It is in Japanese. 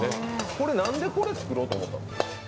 これ、なんで作ろうと思ったんですか？